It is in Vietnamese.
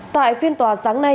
tại phiên tòa sáng nay